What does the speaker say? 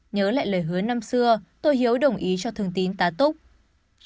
nhớ lại lời hứa năm xưa tô hiếu đồng ý cho thương tín tá túc